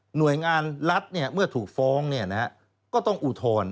หน่วยงานรัฐเมื่อถูกฟ้องก็ต้องอุทธรณ์